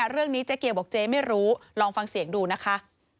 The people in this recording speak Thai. เจ๊เกียวบอกเจ๊ไม่รู้ลองฟังเสียงดูนะคะ